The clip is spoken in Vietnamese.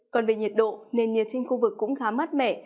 còn về nhiệt độ nền nhiệt trên khu vực cũng khá mát mẻ